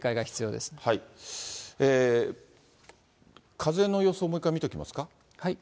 風の予想をもう一回、見ておきますか？